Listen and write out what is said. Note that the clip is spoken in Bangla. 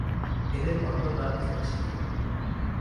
এদের কর্তন দাঁত ফ্যাকাসে হলুদ।